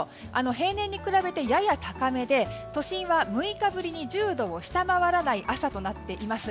平年に比べてやや高めで都心は６日ぶりに、１０度を下回らない朝となっています。